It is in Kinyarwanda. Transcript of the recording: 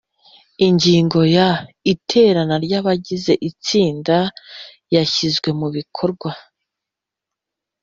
Ingingo ya iterana ry abagize itsinda yashyizwe mubikorwa